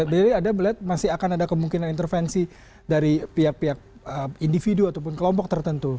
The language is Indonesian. jadi ada melihat masih akan ada kemungkinan intervensi dari pihak pihak individu ataupun kelompok tertentu